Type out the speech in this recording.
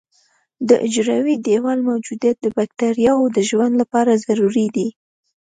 د حجروي دیوال موجودیت د بکټریاوو د ژوند لپاره ضروري دی.